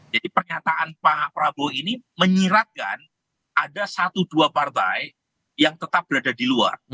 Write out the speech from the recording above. jadi pernyataan pak prabowo ini menyiratkan ada satu dua partai yang tetap berada di luar